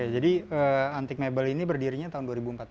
jadi antik mebel ini berdirinya tahun dua ribu empat belas